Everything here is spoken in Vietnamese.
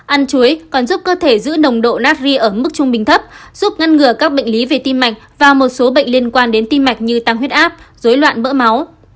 ăn chuối còn giúp cơ thể giữ nồng độ natri ở mức trung bình thấp giúp ngăn ngừa các bệnh lý về tim mạch và một số bệnh liên quan đến tim mạch như tăng huyết áp dối loạn mỡ máu